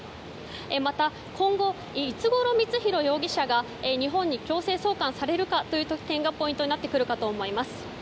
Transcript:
また今後、いつごろ光弘容疑者が日本に強制送還されるかという点がポイントになってくるかと思います。